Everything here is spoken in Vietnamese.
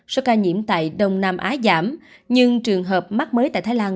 số ca nhiễm tại đông nam á giảm nhưng trường hợp mắc mới tại thái lan